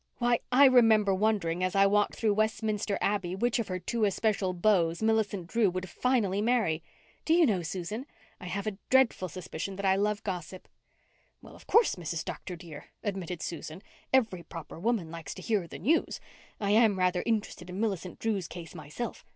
Why, I remember wondering, as I walked through Westminster Abbey which of her two especial beaux Millicent Drew would finally marry. Do you know, Susan, I have a dreadful suspicion that I love gossip." "Well, of course, Mrs. Dr. dear," admitted Susan, "every proper woman likes to hear the news. I am rather interested in Millicent Drew's case myself.